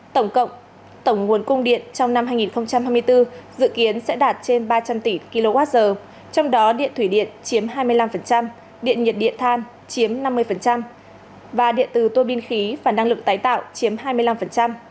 tổng cộng tổng nguồn cung điện trong năm hai nghìn hai mươi bốn dự kiến sẽ đạt trên ba trăm linh tỷ kwh trong đó điện thủy điện chiếm hai mươi năm điện nhiệt điện than chiếm năm mươi và điện từ tô binh khí và năng lượng tái tạo chiếm hai mươi năm